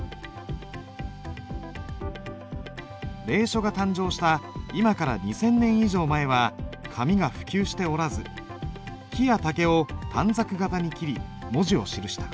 隷書が誕生した今から２，０００年以上前は紙が普及しておらず木や竹を短冊形に切り文字を記した。